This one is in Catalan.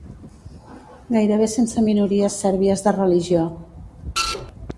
Gairebé sense minories sèrbies de religió